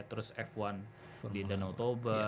terus f satu di indanotoba